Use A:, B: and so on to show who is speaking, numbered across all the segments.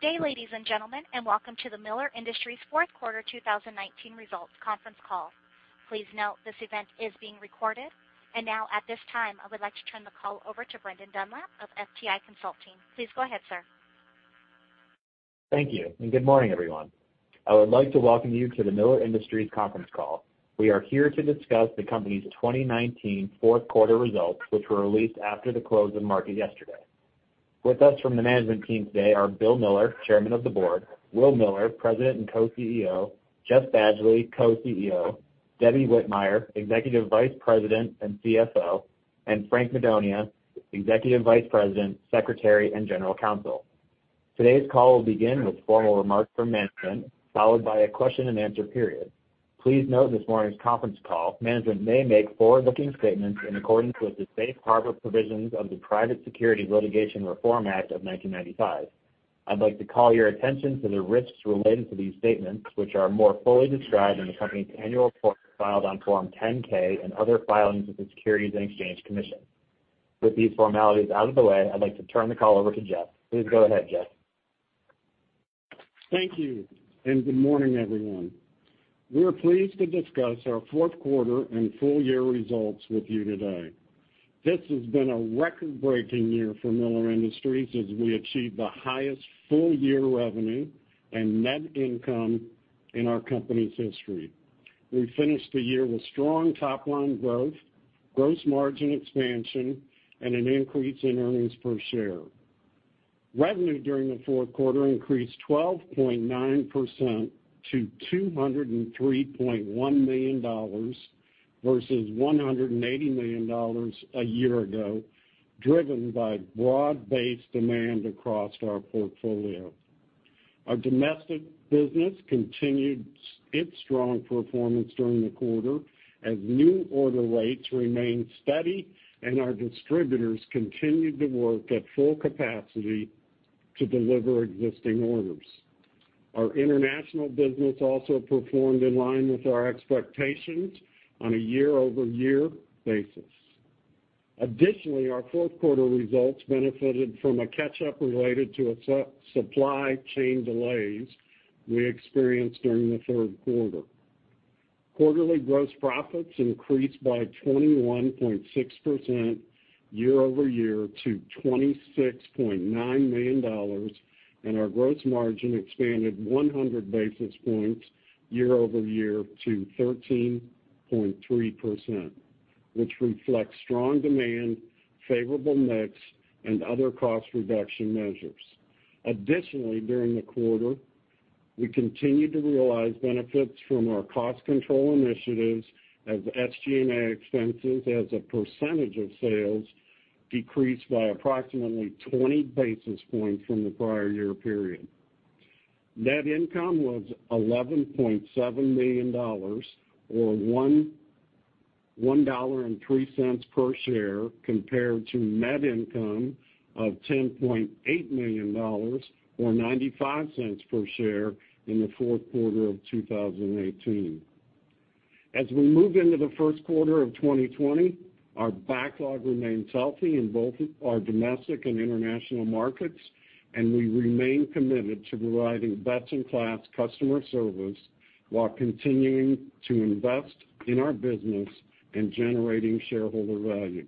A: Good day, ladies and gentlemen, and welcome to the Miller Industries fourth quarter 2019 results conference call. Please note this event is being recorded. Now at this time, I would like to turn the call over to Brendan Dunlap of FTI Consulting. Please go ahead, sir.
B: Thank you, and good morning, everyone. I would like to welcome you to the Miller Industries conference call. We are here to discuss the company's 2019 fourth quarter results, which were released after the close of the market yesterday. With us from the management team today are Bill Miller, Chairman of the Board, Will Miller, President and Co-CEO, Jeff Badgley, Co-CEO, Debbie Whitmire, Executive Vice President and CFO, and Frank Madonia, Executive Vice President, Secretary, and General Counsel. Today's call will begin with formal remarks from management, followed by a question and answer period. Please note this morning's conference call, management may make forward-looking statements in accordance with the safe harbor provisions of the Private Securities Litigation Reform Act of 1995. I'd like to call your attention to the risks related to these statements, which are more fully described in the company's annual report filed on Form 10-K and other filings with the Securities and Exchange Commission. With these formalities out of the way, I'd like to turn the call over to Jeff. Please go ahead, Jeff.
C: Thank you, and good morning, everyone. We are pleased to discuss our fourth quarter and full year results with you today. This has been a record-breaking year for Miller Industries as we achieved the highest full year revenue and net income in our company's history. We finished the year with strong top-line growth, gross margin expansion, and an increase in earnings per share. Revenue during the fourth quarter increased 12.9% to $203.1 million versus $180 million a year ago, driven by broad-based demand across our portfolio. Our domestic business continued its strong performance during the quarter as new order rates remained steady and our distributors continued to work at full capacity to deliver existing orders. Our international business also performed in line with our expectations on a year-over-year basis. Additionally, our fourth quarter results benefited from a catch-up related to supply chain delays we experienced during the third quarter. Quarterly gross profits increased by 21.6% year-over-year to $26.9 million, and our gross margin expanded 100 basis points year-over-year to 13.3%, which reflects strong demand, favorable mix, and other cost reduction measures. Additionally, during the quarter, we continued to realize benefits from our cost control initiatives as SG&A expenses as a percentage of sales decreased by approximately 20 basis points from the prior year period. Net income was $11.7 million or $1.03 per share compared to net income of $10.8 million or $0.95 per share in the fourth quarter of 2018. As we move into the first quarter of 2020, our backlog remains healthy in both our domestic and international markets, and we remain committed to providing best-in-class customer service while continuing to invest in our business and generating shareholder value.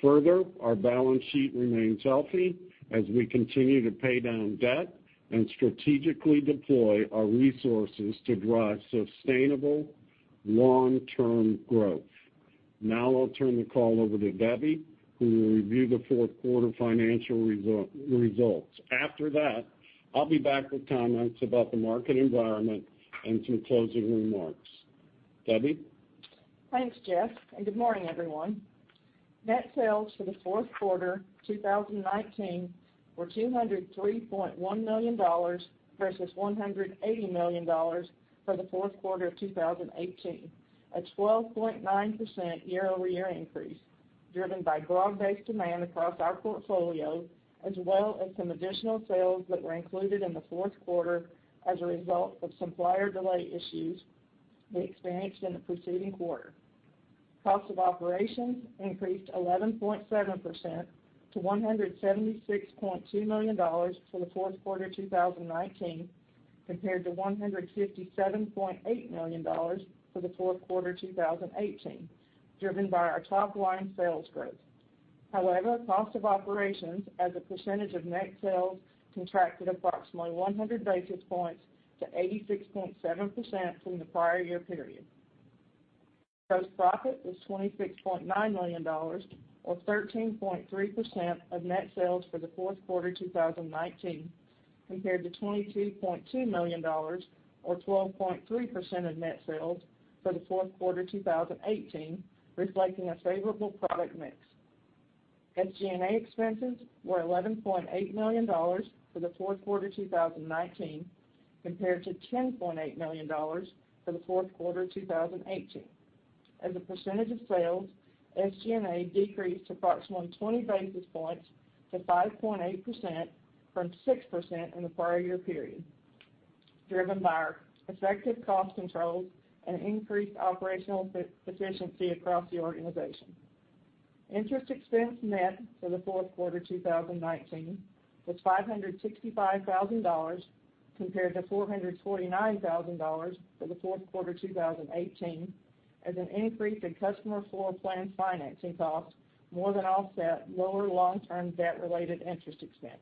C: Further, our balance sheet remains healthy as we continue to pay down debt and strategically deploy our resources to drive sustainable long-term growth. Now I'll turn the call over to Debbie, who will review the fourth quarter financial results. After that, I'll be back with comments about the market environment and some closing remarks. Debbie?
D: Thanks, Jeff. Good morning, everyone. Net sales for the fourth quarter 2019 were $203.1 million versus $180 million for the fourth quarter of 2018, a 12.9% year-over-year increase driven by broad-based demand across our portfolio as well as some additional sales that were included in the fourth quarter as a result of supplier delay issues we experienced in the preceding quarter. Cost of operations increased 11.7% to $176.2 million for the fourth quarter 2019 compared to $157.8 million for the fourth quarter 2018, driven by our top-line sales growth. However, cost of operations as a percentage of net sales contracted approximately 100 basis points to 86.7% from the prior year period. Gross profit was $26.9 million or 13.3% of net sales for the fourth quarter 2019 compared to $22.2 million or 12.3% of net sales for the fourth quarter 2018, reflecting a favorable product mix. SG&A expenses were $11.8 million for the fourth quarter 2019 compared to $10.8 million for the fourth quarter 2018. As a percentage of sales, SG&A decreased approximately 20 basis points to 5.8% from 6% in the prior year period, driven by our effective cost controls and increased operational efficiency across the organization. Interest expense net for the fourth quarter 2019 was $565,000 compared to $449,000 for the fourth quarter 2018, as an increase in customer floorplan financing costs more than offset lower long-term debt-related interest expense.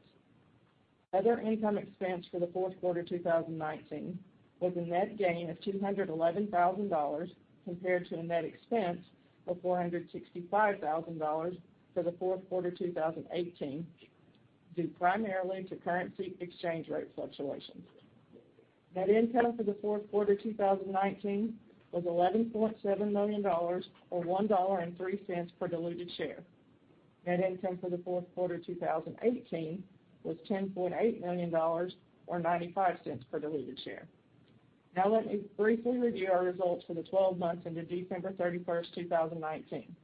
D: Other income expense for the fourth quarter 2019 was a net gain of $211,000 compared to a net expense of $465,000 for the fourth quarter 2018, due primarily to currency exchange rate fluctuations. Net income for the fourth quarter 2019 was $11.7 million, or $1.03 per diluted share. Net income for the fourth quarter 2018 was $10.8 million, or $0.95 per diluted share. Let me briefly review our results for the 12 months into December 31st, 2019.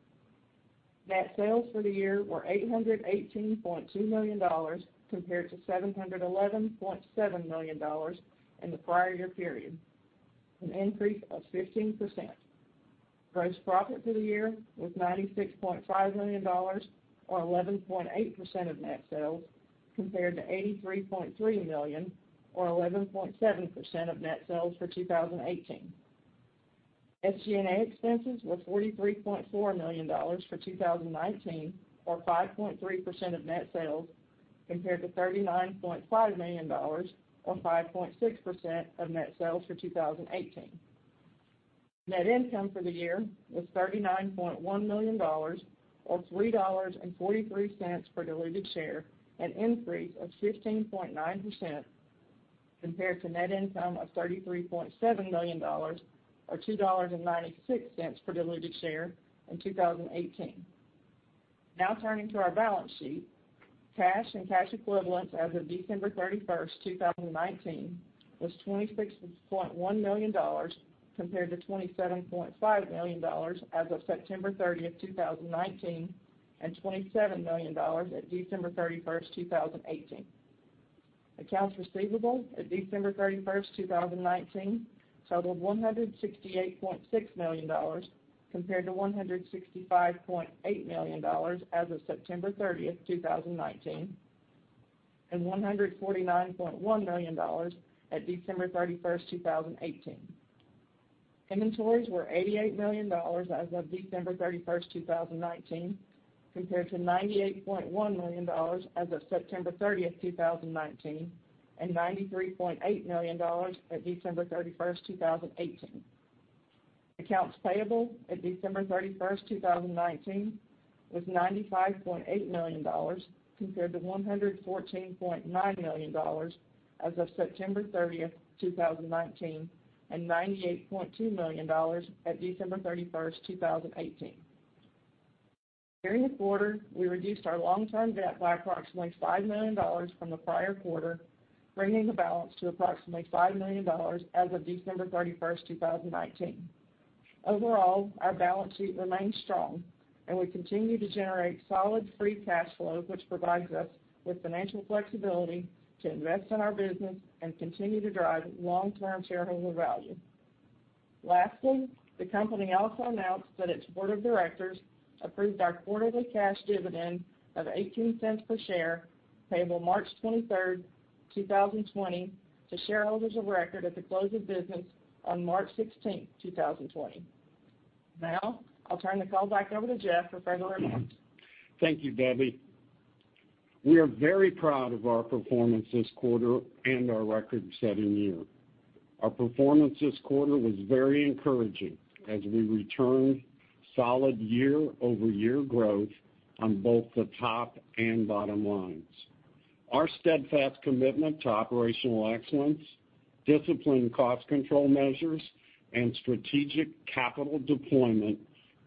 D: Net sales for the year were $818.2 million compared to $711.7 million in the prior year period, an increase of 15%. Gross profit for the year was $96.5 million or 11.8% of net sales, compared to $83.3 million or 11.7% of net sales for 2018. SG&A expenses were $43.4 million for 2019, or 5.3% of net sales, compared to $39.5 million or 5.6% of net sales for 2018. Net income for the year was $39.1 million or $3.43 per diluted share, an increase of 15.9% compared to net income of $33.7 million or $2.96 per diluted share in 2018. Turning to our balance sheet. Cash and cash equivalents as of December 31st, 2019 was $26.1 million compared to $27.5 million as of September 30th, 2019 and $27 million at December 31st, 2018. Accounts receivable at December 31st, 2019 totaled $168.6 million compared to $165.8 million as of September 30th, 2019 and $149.1 million at December 31st, 2018. Inventories were $88 million as of December 31st, 2019 compared to $98.1 million as of September 30th, 2019 and $93.8 million at December 31st, 2018. Accounts payable at December 31st, 2019 was $95.8 million compared to $114.9 million as of September 30th, 2019 and $98.2 million at December 31st, 2018. During the quarter, we reduced our long-term debt by approximately $5 million from the prior quarter, bringing the balance to approximately $5 million as of December 31st, 2019. Overall, our balance sheet remains strong, and we continue to generate solid free cash flow, which provides us with financial flexibility to invest in our business and continue to drive long-term shareholder value. The company also announced that its board of directors approved our quarterly cash dividend of $0.18 per share payable March 23rd, 2020, to shareholders of record at the close of business on March 16th, 2020. I'll turn the call back over to Jeff for further remarks.
C: Thank you, Debbie. We are very proud of our performance this quarter and our record-setting year. Our performance this quarter was very encouraging as we returned solid year-over-year growth on both the top and bottom lines. Our steadfast commitment to operational excellence, disciplined cost control measures, and strategic capital deployment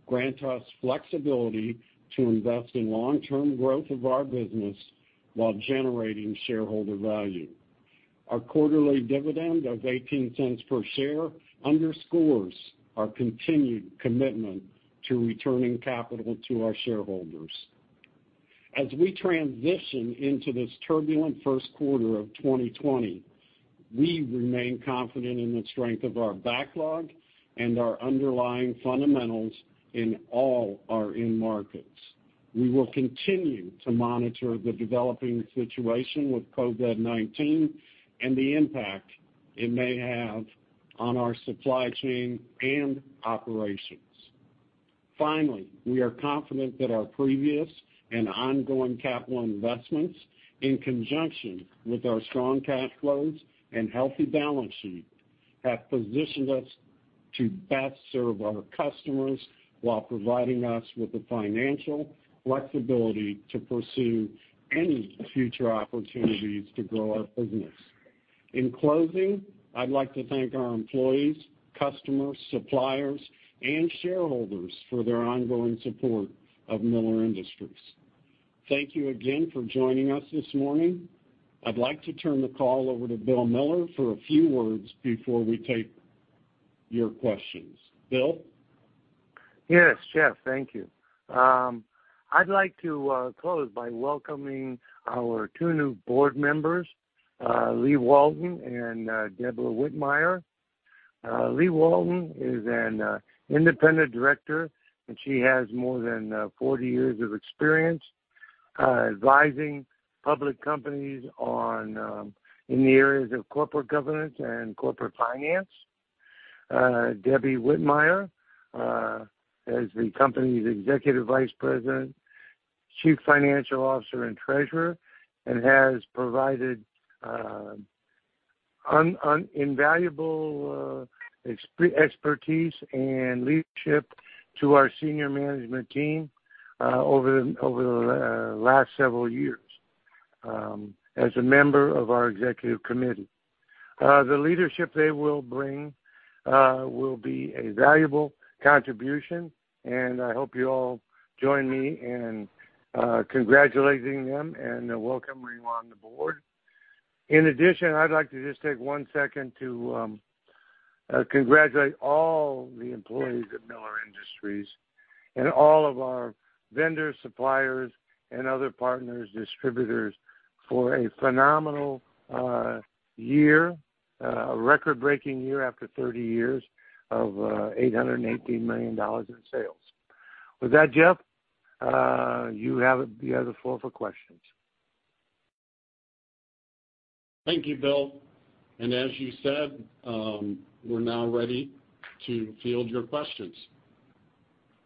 C: grant us flexibility to invest in long-term growth of our business while generating shareholder value. Our quarterly dividend of $0.18 per share underscores our continued commitment to returning capital to our shareholders. As we transition into this turbulent first quarter of 2020, we remain confident in the strength of our backlog and our underlying fundamentals in all our end markets. We will continue to monitor the developing situation with COVID-19 and the impact it may have on our supply chain and operations. Finally, we are confident that our previous and ongoing capital investments, in conjunction with our strong cash flows and healthy balance sheet, have positioned us to best serve our customers while providing us with the financial flexibility to pursue any future opportunities to grow our business. In closing, I'd like to thank our employees, customers, suppliers, and shareholders for their ongoing support of Miller Industries. Thank you again for joining us this morning. I'd like to turn the call over to Bill Miller for a few words before we take your questions. Bill?
E: Yes, Jeff, thank you. I'd like to close by welcoming our two new board members, Leigh Walton and Deborah Whitmire. Leigh Walton is an independent director. She has more than 40 years of experience advising public companies in the areas of corporate governance and corporate finance. Deborah Whitmire is the company's Executive Vice President, Chief Financial Officer, and Treasurer. She has provided invaluable expertise and leadership to our senior management team over the last several years as a member of our executive committee. The leadership they will bring will be a valuable contribution. I hope you all join me in congratulating them and welcoming them on the board. In addition, I'd like to just take one second to congratulate all the employees of Miller Industries and all of our vendors, suppliers, and other partners, distributors, for a phenomenal year, a record-breaking year after 30 years of $818 million in sales. With that, Jeff, you have the floor for questions.
C: Thank you, Bill. As you said, we're now ready to field your questions.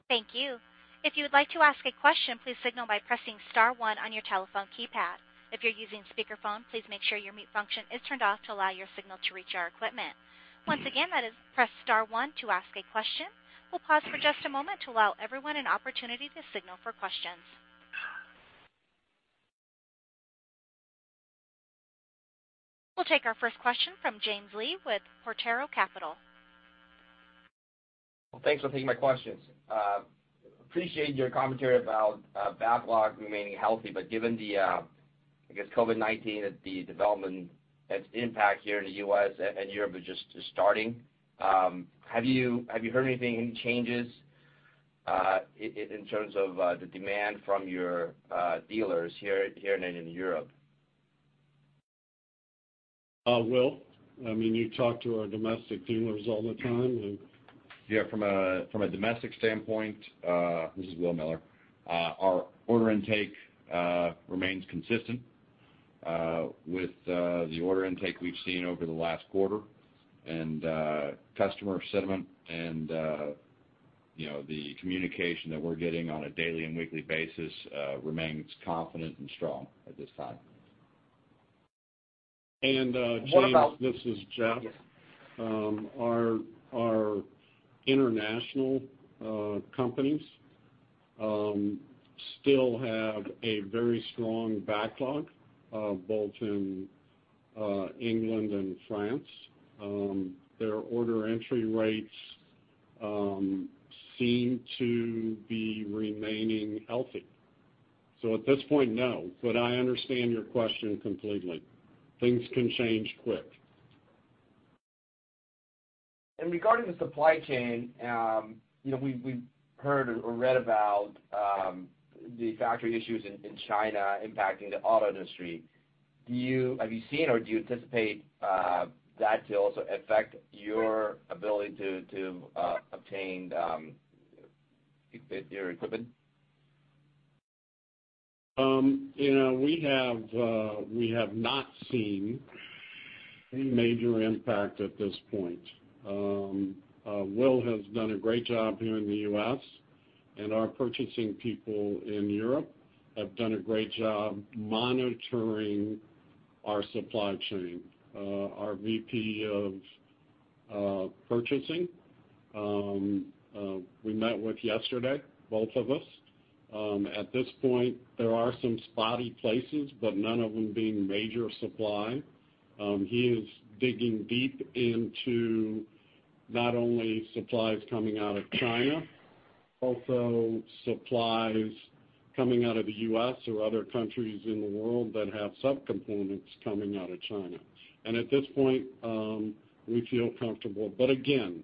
A: Thank you. If you would like to ask a question, please signal by pressing star one on your telephone keypad. If you're using speakerphone, please make sure your mute function is turned off to allow your signal to reach our equipment. Once again, that is press star one to ask a question. We'll pause for just a moment to allow everyone an opportunity to signal for questions. We'll take our first question from James Lee with Potrero Capital.
F: Well, thanks for taking my questions. Appreciate your commentary about backlog remaining healthy, but given the, I guess COVID-19, the development, its impact here in the U.S. and Europe is just starting. Have you heard anything, any changes in terms of the demand from your dealers here and in Europe?
C: Will, you talk to our domestic dealers all the time.
G: Yeah, from a domestic standpoint, this is Will Miller, our order intake remains consistent with the order intake we've seen over the last quarter, and customer sentiment and the communication that we're getting on a daily and weekly basis remains confident and strong at this time.
F: What about-
C: James, this is Jeff. Our international companies still have a very strong backlog, both in England and France. Their order entry rates seem to be remaining healthy. At this point, no, but I understand your question completely. Things can change quick.
F: Regarding the supply chain, we've heard or read about the factory issues in China impacting the auto industry. Have you seen or do you anticipate that to also affect your ability to obtain your equipment?
C: We have not seen any major impact at this point. Will has done a great job here in the U.S., and our purchasing people in Europe have done a great job monitoring our supply chain. Our VP of Purchasing, we met with yesterday, both of us. At this point, there are some spotty places, but none of them being major supply. He is digging deep into not only supplies coming out of China, also supplies coming out of the U.S. or other countries in the world that have subcomponents coming out of China. At this point, we feel comfortable. Again,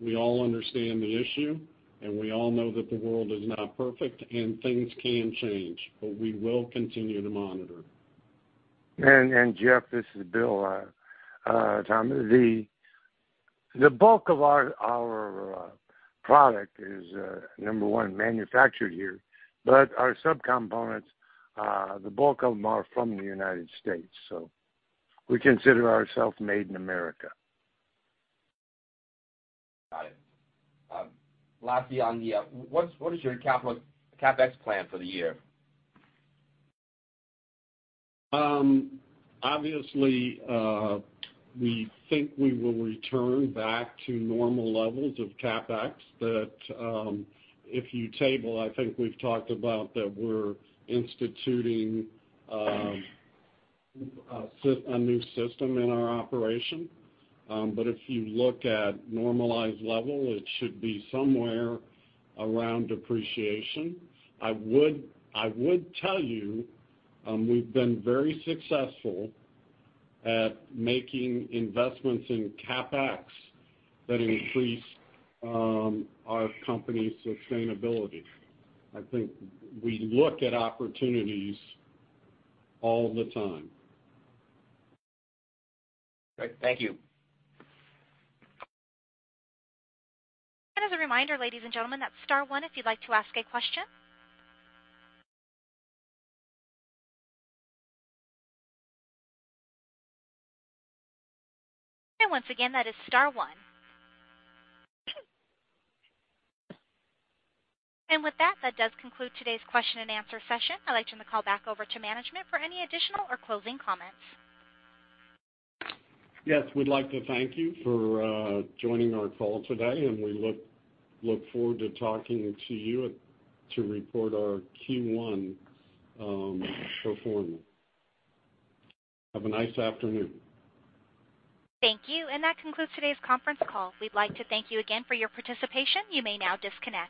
C: we all understand the issue, and we all know that the world is not perfect and things can change, but we will continue to monitor.
E: Jeff, this is Bill. The bulk of our product is, number one, manufactured here, but our subcomponents the bulk of them are from the United States. We consider ourselves made in America.
F: Got it. Lastly, what is your CapEx plan for the year?
C: Obviously, we think we will return back to normal levels of CapEx that, if you table, I think we've talked about that we're instituting a new system in our operation. If you look at normalized level, it should be somewhere around depreciation. I would tell you we've been very successful at making investments in CapEx that increase our company's sustainability. I think we look at opportunities all the time.
F: Great. Thank you.
A: As a reminder, ladies and gentlemen, that's star one if you'd like to ask a question. Once again, that is star one. With that does conclude today's question and answer session. I'd like to turn the call back over to management for any additional or closing comments.
C: Yes. We'd like to thank you for joining our call today, and we look forward to talking to you to report our Q1 performance. Have a nice afternoon.
A: Thank you. That concludes today's conference call. We'd like to thank you again for your participation. You may now disconnect.